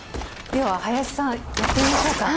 では林さんやってみましょうか。